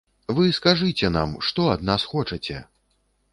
Вы скажыце нам, што ад нас хочаце?